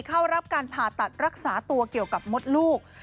เข้ารับการผ่าตัดรักษาตัวเกี่ยวกับมดลูก